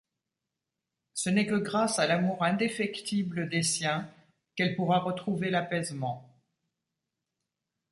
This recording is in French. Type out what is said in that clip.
Ce n'est que grâce à l'amour indéfectible des siens qu'elle pourra retrouver l'apaisement.